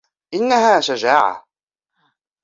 إنها شجاعة.